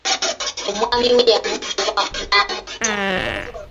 Omwami we yamukuba n'amutta.